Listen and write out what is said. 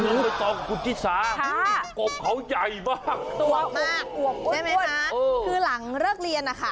อุ๊ยน้องต่อคุณศิษย์ค่ะ